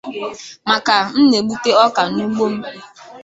Maka m na-egbute ọka n’ugbo m